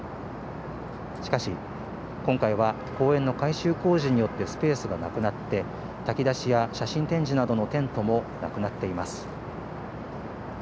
しかし、今回は公園の改修工事によってスペースがなくなって、炊き出しや写真展示などのテントもなくなっています。